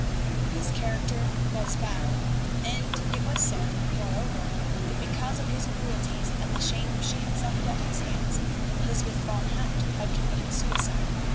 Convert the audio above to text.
His character was bad, and it was said, moreover, that because of his cruelties and the shame she had suffered at his hands, Lysbeth van Hout had committed suicide.